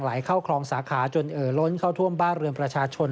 เข้าคลองสาขาจนเอ่อล้นเข้าท่วมบ้านเรือนประชาชน